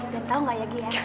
dan tau gak ya gek